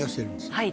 はい。